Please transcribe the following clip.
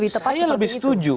saya lebih setuju